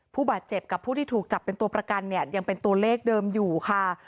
ผู้บาดเจ็บกับผู้ที่ถูกจับเป็นตัวประกันเนี่ยยังเป็นตัวเลขเดิมอยู่ค่ะ